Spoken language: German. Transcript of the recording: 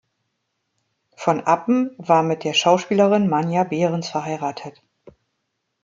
Von Appen war mit der Schauspielerin Manja Behrens verheiratet.